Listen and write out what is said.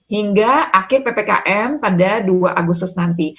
hingga akhir ppkm pada dua agustus nanti